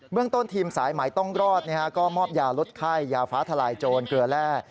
เมืองต้นทีมสายไหมต้องรอดก็มอบยาลดไข้ยาฟ้าทลายโจรเกลือแร่